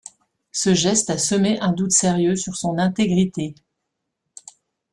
Ce geste a semé un doute sérieux sur son intégrité.